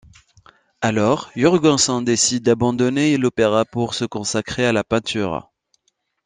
Alors, Jürgenson décide d'abandonner l'opéra pour se consacrer à la peinture.